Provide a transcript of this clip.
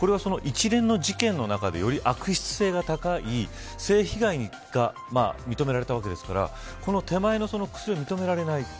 一連の事件の中でより悪質性が高い性被害が認められたわけですからこの手前の薬は認められない。